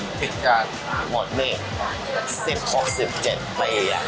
หมดเป็น๑๐๑๖๑๗ปี